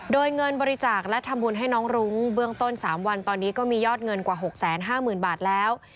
โดยเงินบริจาคและทำบุญให้น้องรุ้งเบื้องต้น๓วันตอนนี้ก็มียอดเงินกว่า๖๕๐๐๐บาทแล้ว